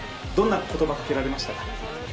どんな言葉かけられましたか？